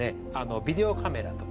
ビデオカメラとか